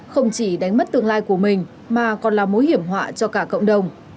không chỉ đánh mất tương lai của mình mà còn là mối hiểm họa cho cả cộng đồng